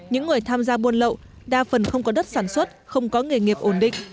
những người tham gia buôn lậu đa phần không có đất sản xuất không có nghề nghiệp ổn định